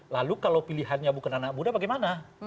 lalu kalau pilihannya bukan anak muda bagaimana